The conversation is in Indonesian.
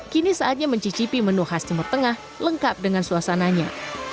kini saatnya mencicipi menu khas timur tengah lengkap dengan suasananya